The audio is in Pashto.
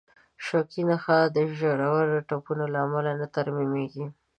شوکي نخاع د ژورو ټپونو له امله نه ترمیمېږي.